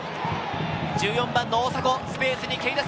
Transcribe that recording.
１４番の大迫、スペースに蹴り出す。